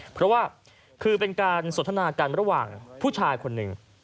เพราะว่าคือเป็นการสนทนากันระหว่างผู้ชายคนหนึ่ง